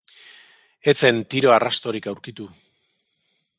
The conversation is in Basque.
Ez zen tiro arrastorik aurkitu.